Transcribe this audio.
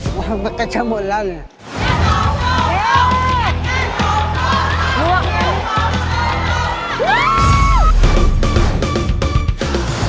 มันกันเชียวหมดแล้วนึง